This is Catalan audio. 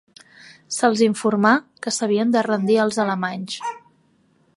Se'ls informà que s'havien de rendir als alemanys.